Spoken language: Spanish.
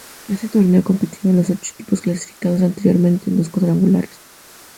En este torneo, compitieron los ocho equipos clasificados anteriormente en dos cuadrangulares.